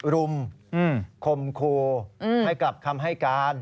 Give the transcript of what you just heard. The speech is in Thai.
รุมคมครูให้กลับคำให้การ